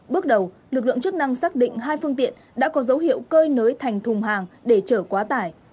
bước đầu lực lượng chức năng xác định hai phương tiện đã có dấu hiệu cơi nới thành thùng hàng để chở quá tải